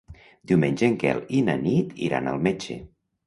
Diumenge en Quel i na Nit iran al metge.